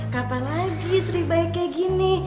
kapan lagi sri baik kayak gini